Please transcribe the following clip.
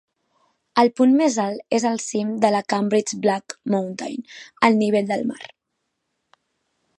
El punt més alt és el cim de la Cambridge Black Mountain, al nivell del mar.